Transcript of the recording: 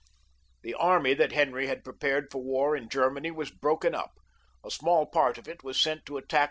The army that Henry had prepared for war in Ger many was broken up ; a small part of it was sent to attack 318 LOUIS XI IL [CH.